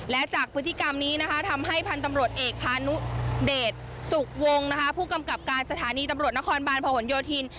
และจากพฤติกรรมนี้นะคะทำให้พันธุ์ตำรวจเอกพานุเดชสุขวงผู้กำกับการสถานีตำรวจนครบาลพหนโยธิน